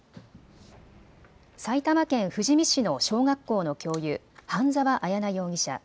埼玉県富士見市の小学校の教諭、半澤彩奈容疑者。